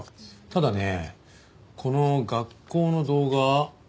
ただねこの学校の動画